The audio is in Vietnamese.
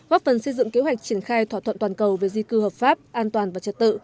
góp phần xây dựng kế hoạch triển khai thỏa thuận toàn cầu về di cư hợp pháp an toàn và trật tự